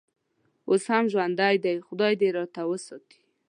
اوس هم ژوندی دی، خدای دې راته وساتي.